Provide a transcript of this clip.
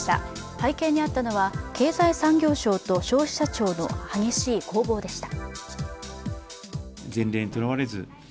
背景にあったのは、経済産業省と消費者庁の激しい攻防でした。